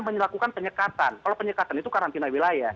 melakukan penyekatan kalau penyekatan itu karantina wilayah